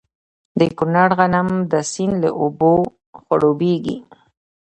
د کونړ غنم د سیند له اوبو خړوبیږي.